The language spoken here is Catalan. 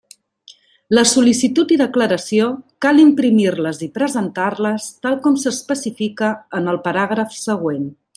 La sol·licitud i declaració cal imprimir-les i presentar-les tal com s'especifica en el paràgraf següent.